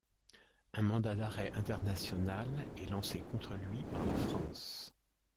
Un mandat d'arrêt international est lancé contre lui par la France.